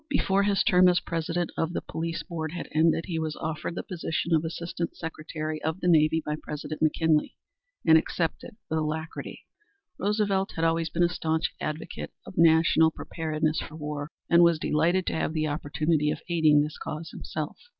Before his term as President of the Police Board had ended, he was offered the position of Assistant Secretary of the Navy by President McKinley, and accepted with alacrity. Roosevelt had always been a staunch advocate of national preparedness for war, and was delighted to have the opportunity of aiding this cause himself.